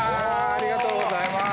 ありがとうございます！